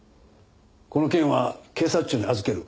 この件は警察庁に預ける。